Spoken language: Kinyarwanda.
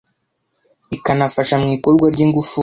ikanafasha mu ikorwa ry’ingufu